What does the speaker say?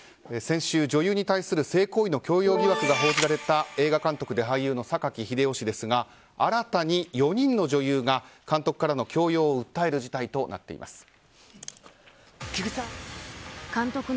先週女優に対する性行為の強要疑惑が報じられた映画監督で俳優の榊英雄氏ですが新たに４人の女優が監督からの強要を訴える事態となっています。